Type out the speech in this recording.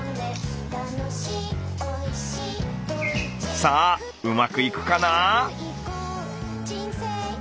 さあうまくいくかな？